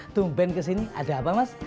tumpen kesini ada apa mas